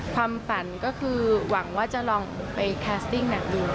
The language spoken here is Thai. ความฝันก็คือหวังว่าจะลองไปแคสติ้งหนักดู